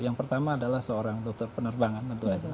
yang pertama adalah seorang dokter penerbangan tentu saja